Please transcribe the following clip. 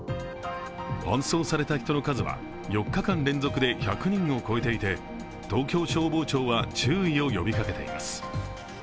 搬送された人の数は４日間連続で１００人を超えていて東京消防庁は注意を呼びかけています。